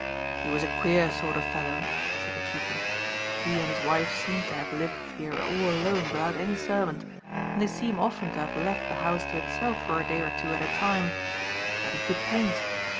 "He was a queer sort of fellow," said the keeper. "He and his wife seem to have lived here all alone without any servant, and they seem often to have left the house to itself for a day or two at a time; but he could paint.